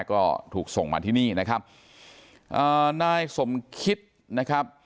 ก็ถูกส่งมาที่นี่นะครับอ่านายสมคิดนะครับ